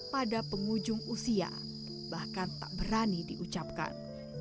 pada penghujung usia bahkan tak berani diucapkan